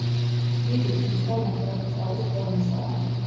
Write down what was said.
პირი დიდი და ნახევარმთვარის ფორმისაა.